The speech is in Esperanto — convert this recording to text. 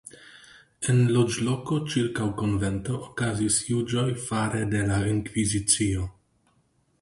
En loĝloko ĉirkaŭ konvento okazis juĝoj fare de la Inkvizicio.